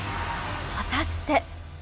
果たして。